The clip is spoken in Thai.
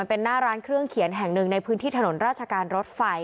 เป็นหน้าร้านเครื่องเขียนแห่งหนึ่งในพื้นที่ถนนราชการรถไฟ